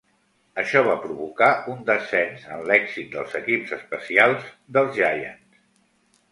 Això va provocar un descens en l'èxit dels equips especials dels Giants.